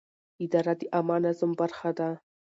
اداره د عامه نظم برخه ده.